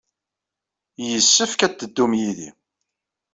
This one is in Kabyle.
Yessefk ad d-teddum yid-i.